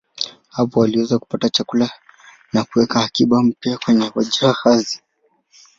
Hapa waliweza kupata chakula na kuweka akiba mpya kwenye jahazi.